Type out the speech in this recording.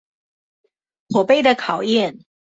火盃的考驗